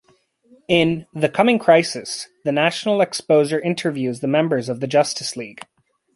In "The Coming Crisis", the "National Exposer" interviews the members of the Justice League.